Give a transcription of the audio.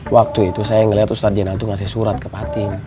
waktu itu saya ngeliat ustadz jena tuh ngasih surat ke patin